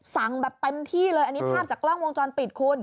สั่งแบบเต็มที่เลยอันนี้ภาพจากกล้องวงจรปิดคุณ